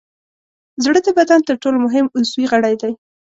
زړه د بدن تر ټولو مهم عضوي غړی دی.